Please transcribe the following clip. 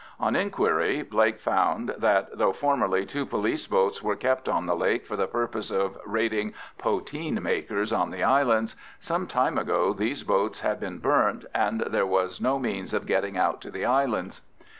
On inquiry, Blake found that, though formerly two police boats were kept on the lake for the purpose of raiding poteen makers on the islands, some time ago these boats had been burnt, and there was no means of getting out to the islands.